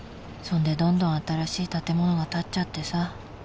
そんでどんどん新しい建物が建っちゃってさ